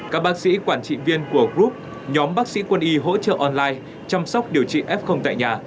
các bác sĩ quản trị viên của group nhóm bác sĩ quân y hỗ trợ online chăm sóc điều trị f tại nhà